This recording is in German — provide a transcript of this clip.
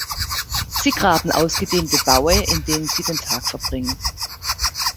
Sie graben ausgedehnte Baue, in denen sie den Tag verbringen.